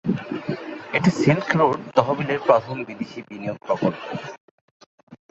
এটি silk road তহবিলের প্রথম বিদেশী বিনিয়োগ প্রকল্প।